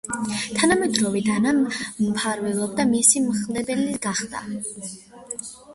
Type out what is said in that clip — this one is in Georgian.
თავიდანვე დიანა მფარველობდა, მისი მხლებელი გახდა.